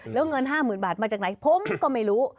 แล้วเงิน๕๐๐๐บาทมาจากไหนผมก็ไม่รู้